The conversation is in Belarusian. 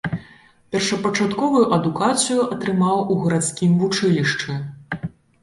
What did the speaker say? Першапачатковую адукацыю атрымаў у гарадскім вучылішчы.